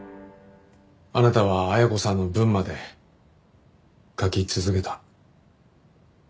あなたは恵子さんの分まで書き続けた。